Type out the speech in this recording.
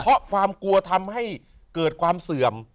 เพราะความกลัวทำให้เกิดความเสื่อม